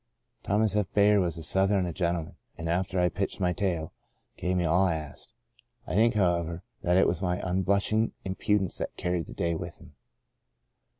Thomas F. Bayard was a Southerner and a gentleman and after I had pitched my tale, gave me all I asked. I think, however, that it was my unblushing impudence that carried the day with him.